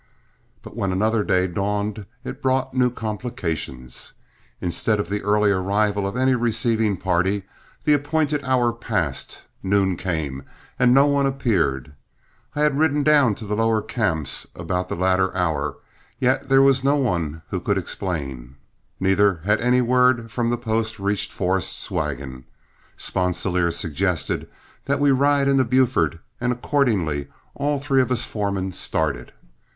But when another day dawned, it brought new complications. Instead of the early arrival of any receiving party, the appointed hour passed, noon came, and no one appeared. I had ridden down to the lower camps about the latter hour, yet there was no one who could explain, neither had any word from the post reached Forrest's wagon. Sponsilier suggested that we ride into Buford, and accordingly all three of us foremen started.